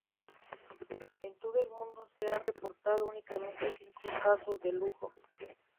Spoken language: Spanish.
En todo el mundo, se han reportado únicamente cinco casos de Lujo.